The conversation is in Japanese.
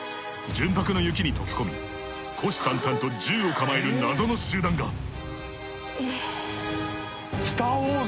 純白の雪に溶け込み虎視眈々と銃を構える謎の集団が。